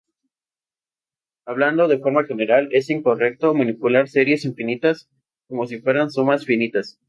Hablando de forma general, es incorrecto manipular series infinitas como si fueran sumas finitas.